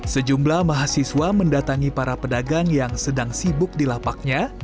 sejumlah mahasiswa mendatangi para pedagang yang sedang sibuk di lapaknya